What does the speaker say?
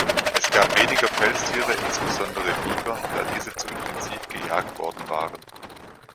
Es gab weniger Pelztiere, insbesondere Biber, da diese zu intensiv gejagt worden waren.